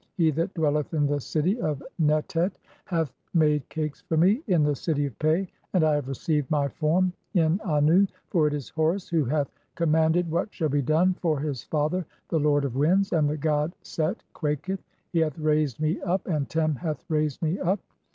He that dwelleth in the city of "Netet hath made cakes for me in the city of Pe, and I have "received [my form] in Annu, for it is Horus who hath cotn "manded (6) what shall be done for his father the lord of "winds (?), and the god Set quaketh ; he hath raised me up, "and Tern hath raised me up.